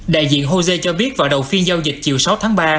đại diện jose cho biết vào đầu phiên giao dịch chiều sáu tháng ba